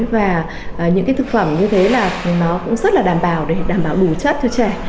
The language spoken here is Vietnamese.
và những cái thực phẩm như thế là nó cũng rất là đảm bảo để đảm bảo đủ chất cho trẻ